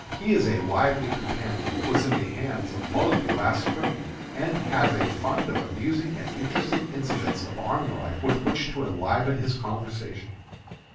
He is a lively companion; was in the hands of Mosby last Spring; and has a fund of amusing and interesting incidents of army life with which to enliven his conversation.